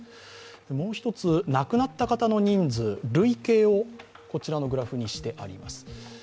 もう一つ、亡くなった方の人数累計をこちらのグラフにしてあります。